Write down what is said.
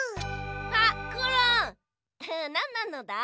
あっコロンなんなのだ？